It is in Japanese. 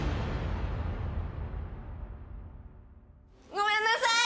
ごめんなさい！